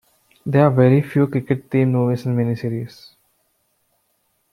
There are very few cricket themed movies and mini-series.